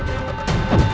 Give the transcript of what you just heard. aku akan menang